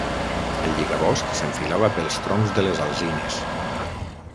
El lligabosc s'enfilava pels troncs de les alzines.